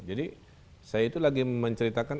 jadi saya itu lagi menceritakan